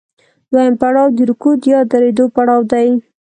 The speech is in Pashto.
دویم پړاو د رکود یا درېدو پړاو دی